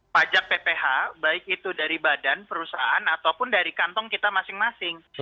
pajak pph baik itu dari badan perusahaan ataupun dari kantong kita masing masing